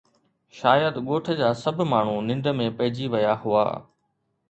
شايد ڳوٺ جا سڀ ماڻهو ننڊ ۾ پئجي ويا هئا